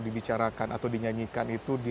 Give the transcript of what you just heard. dibicarakan atau dinyanyikan itu